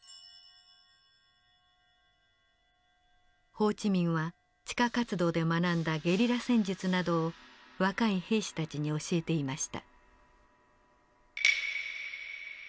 ホー・チ・ミンは地下活動で学んだゲリラ戦術などを若い兵士たちに教えていました。